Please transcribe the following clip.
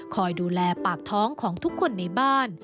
คอยดูแลปากท้องของทุกคนในบ้าน